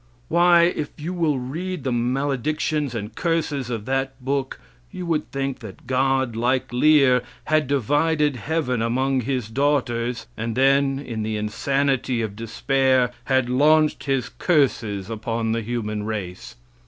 Why, if you will read the maledictions and curses of that book, you would think that God, like Lear, had divided heaven among his daughters, and then, in the insanity of despair, had launched his curses upon the human race.